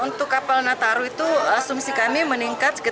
untuk kapal nataru itu asumsi kami meningkat dua puluh persen